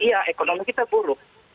iya ekonomi kita buruk